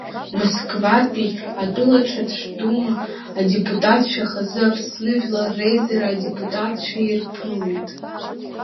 Москватәи атәылаҿацәтә Дума адепутатцәа хазы Аԥсны Жәлар Реизара адепутатцәа ирԥылеит.